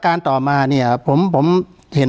การแสดงความคิดเห็น